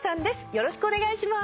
よろしくお願いします。